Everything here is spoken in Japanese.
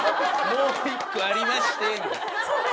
「もう１個ありまして」みたいな。